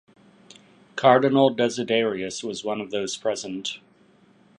Cardinal Desiderius was one of those present.